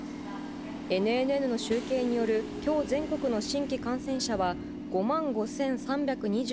ＮＮＮの集計による今日全国の新規感染者は５万５３２８人。